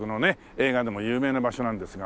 映画でも有名な場所なんですが。